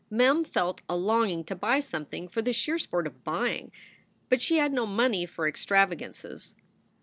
Mem felt a longing to buy something for the sheer sport of buying. But she had no money for extravagances.